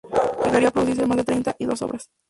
Llegaría a producir más de treinta y dos obras.